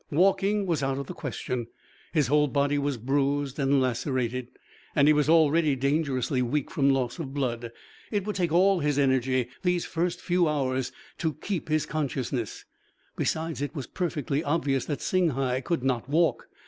Walking was out of the question. His whole body was bruised and lacerated, and he was already dangerously weak from loss of blood. It would take all his energy, these first few hours, to keep his consciousness. Besides, it was perfectly obvious that Singhai could not walk.